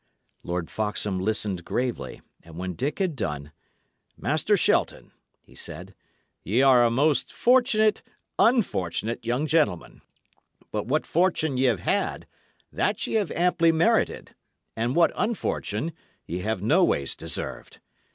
Lord Foxham listened gravely, and when Dick had done, "Master Shelton," he said, "ye are a most fortunate unfortunate young gentleman; but what fortune y' 'ave had, that ye have amply merited; and what unfortune, ye have noways deserved.